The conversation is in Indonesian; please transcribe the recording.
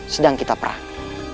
sedang kita perang